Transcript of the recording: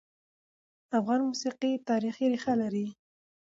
افغان موسیقي تاریخي ريښه لري.